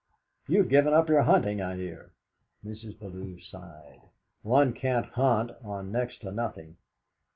You've given up your hunting, I hear." Mrs. Bellew sighed. "One can't hunt on next to nothing!"